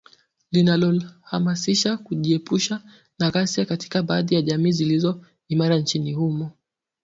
linalohamasisha kujiepusha na ghasia katika baadhi ya jamii zilizo imara nchini humo